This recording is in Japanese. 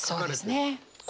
そうですね。